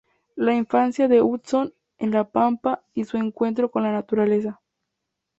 La infancia de Hudson en la Pampa y su encuentro con la naturaleza.